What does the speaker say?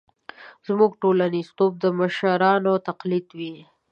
زموږ ټولنیزتوب د مشرانو تقلید وي.